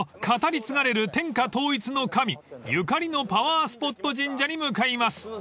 語り継がれる天下統一の神ゆかりのパワースポット神社に向かいます］